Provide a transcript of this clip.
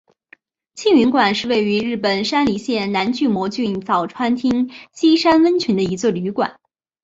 庆云馆是位于日本山梨县南巨摩郡早川町西山温泉的一座旅馆。